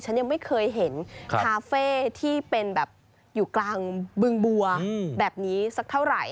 ฉันยังไม่เคยเห็นคาเฟ่ที่เป็นแบบอยู่กลางบึงบัวแบบนี้สักเท่าไหร่